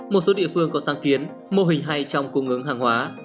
một số địa phương có sáng kiến mô hình hay trong cung ứng hàng hóa